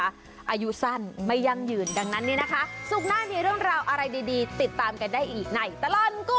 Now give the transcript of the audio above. อายุสั้นมัยยังหยืนดังนั้นนี่นะคะสุขน่าเมียเรื่องราวอะไรได้ติดตามได้อีกในสรรคุโรค